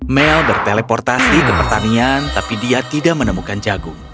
mel berteleportasi ke pertanian tapi dia tidak menemukan jagung